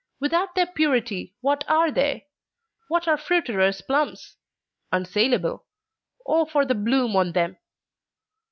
Without their purity what are they! what are fruiterer's plums? unsaleable. O for the bloom on them!